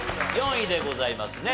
４位でございますね。